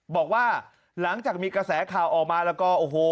บอกว่าหลังจากมีกระแสข่าวออกมาแล้วก็โอ้โห